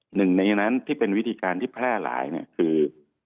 หนึ่งในนั้นที่เป็นวิธีการที่แพร่หลายคือ